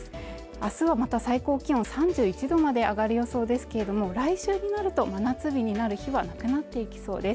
明日はまた最高気温３１度まで上がる予想ですけれども来週になると真夏日になる日はなくなっていきそうです